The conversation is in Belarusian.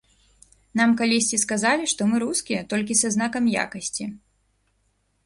Нам калісьці сказалі, што мы рускія, толькі са знакам якасці.